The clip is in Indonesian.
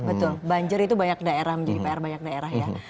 betul banjir itu banyak daerah menjadi pr banyak daerah ya